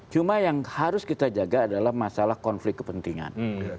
cuma yang harus kita jaga adalah masalah konflik kepentingan